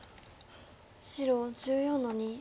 白１４の二ツギ。